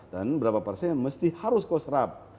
dan berapa persen yang harus kosrap